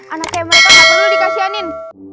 anak kayak mereka gak perlu dikasihanin